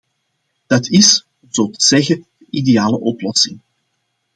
Dat is, om zo te zeggen, de ideale oplossing.